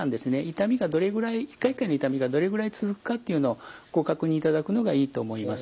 痛みがどれぐらい一回一回の痛みがどれぐらい続くかっていうのをご確認いただくのがいいと思います。